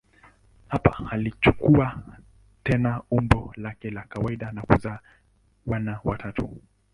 Hapa alichukua tena umbo lake la kawaida na kuzaa naye wana watatu.